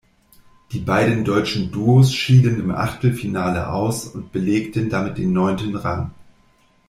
Die beiden deutschen Duos schieden im Achtelfinale aus und belegten damit den neunten Rang.